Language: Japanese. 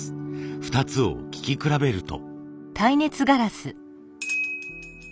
２つを聞き比べると。